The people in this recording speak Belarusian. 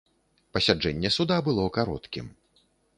Пасяджэнне суда было кароткім.